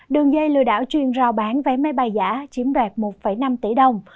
đường dây lừa đảo chuyên rào bán vé máy bay giả chiếm đoạt một năm tỷ đồng